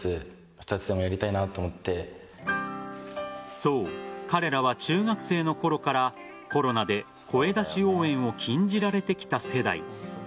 そう、彼らは中学生のころからコロナで、声出し応援を禁じられてきた世代。